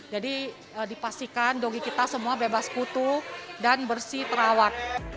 jadi dipastikan dogi kita semua bebas kutu dan bersih terawat